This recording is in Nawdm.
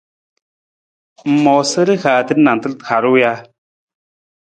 Ng moosa rihaata nantar harung ja?